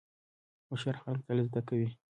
هوښیار خلک تل زده کوي.